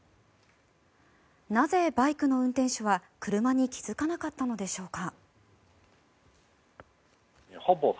なぜ、バイクの運転手は車に気付かなかったんでしょうか。